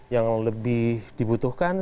yang lebih dibutuhkan